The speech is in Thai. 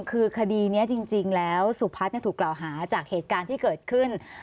คือคดีนี้จริงแล้วสุพัฒน์ถูกกล่าวหาจากเหตุการณ์ที่เกิดขึ้น